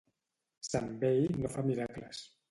Sant vell no fa miracles.